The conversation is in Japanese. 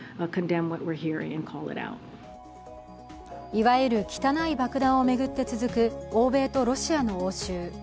いわゆる汚い爆弾を巡って続く欧米とロシアの応酬。